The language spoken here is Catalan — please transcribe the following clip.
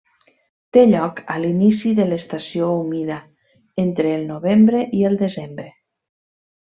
Té lloc a l'inici de l'estació humida, entre el novembre i el desembre.